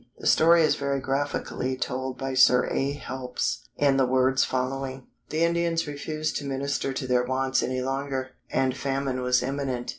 The story is very graphically told by Sir A. Helps in the words following:— "The Indians refused to minister to their wants any longer; and famine was imminent.